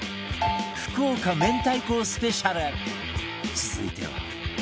続いては